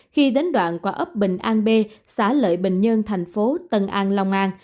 khi đến đoạn qua ấp bình an b xã lợi bình nhân thành phố tân an lòng an